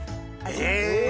え！